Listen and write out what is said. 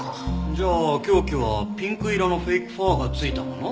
じゃあ凶器はピンク色のフェイクファーが付いたもの？